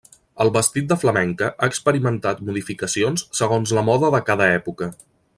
El vestit de flamenca ha experimentat modificacions segons la moda de cada època.